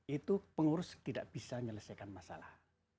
itu pengurus tidak bisa menyelesaikan masalah